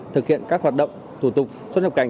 thực hiện các hoạt động thủ tục xuất nhập cảnh